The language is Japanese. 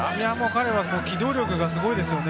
彼は機動力がすごいですよね。